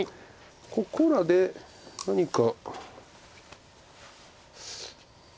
ここらで何か。